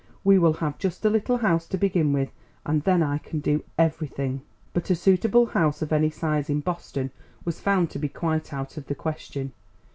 "We will have just a little house to begin with, and then I can do everything." But a suitable house of any size in Boston was found to be quite out of the question.